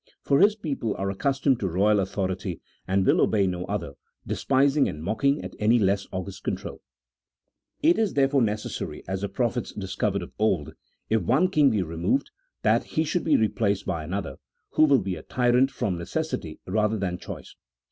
For his people are accustomed to royal autho rity and will obey no other, despising and mocking at any less august control. CHAP. XVIII.] OF CERTAIN POLITICAL DOCTRINES. 243 It is therefore necessary, as the prophets discovered of old, if one king be removed, that he should be replaced by another, who will be a tyrant from necessity rather than choice.